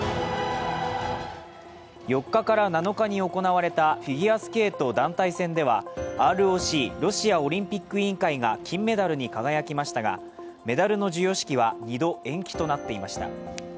４日から７日に行われたフィギュアスケート団体戦ではＲＯＣ＝ロシアオリンピック委員会が金メダルに輝きましたがメダルの授与式は２度、延期となっていました。